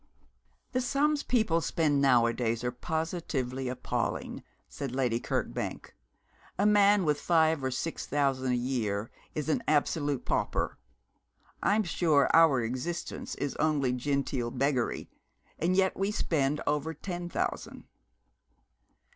'The sums people spend nowadays are positively appalling,' said Lady Kirkbank. 'A man with five or six thousand a year is an absolute pauper. I'm sure our existence is only genteel beggary, and yet we spend over ten thousand.'